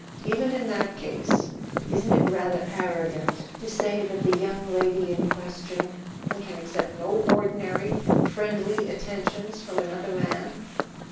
"Even in that case, isn't it rather arrogant to say that that the young lady in question can accept no ordinary friendly attentions from another man?"